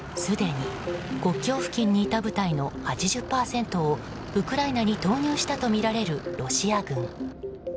すでに国境付近にいた部隊の８０％をウクライナに投入したとみられるロシア軍。